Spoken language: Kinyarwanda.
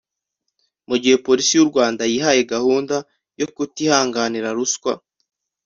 Mu gihe Polisi y’u Rwanda yihaye gahunda yo kutihanganira ruswa